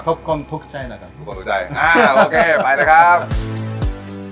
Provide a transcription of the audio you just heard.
ครับทุกคนทุกใจนะครับทุกคนทุกใจอ่าโอเคไปแล้วครับ